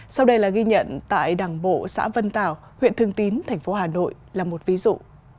sau đây là ghi nhận tại đảng bộ xã vân tảo huyện thường tín thành phố hà nội là một ví dụ